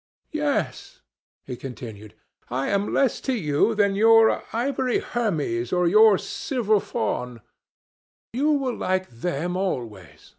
"Yes," he continued, "I am less to you than your ivory Hermes or your silver Faun. You will like them always.